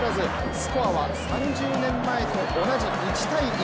スコアは３０年前と同じ１−１。